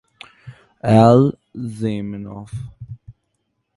L. Zamenhof.